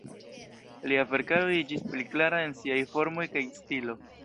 Lia verkaro iĝis pli klara en siaj formoj kaj stilo.